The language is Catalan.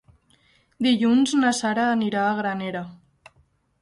Dilluns na Sara anirà a Granera.